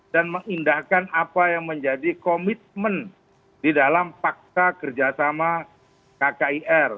dan mengindahkan apa yang menjadi komitmen di dalam fakta kerjasama kkir